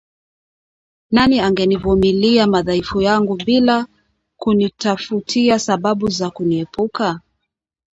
Nani angenivumulia madhaifu yangu bila kunitafutia sababu za kuniepuka?